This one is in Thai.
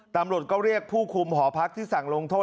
ตำรวจก็เรียกผู้คุมหอพักที่สั่งลงโทษ